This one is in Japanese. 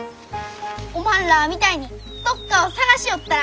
おまんらあみたいにどっかを探しよったら。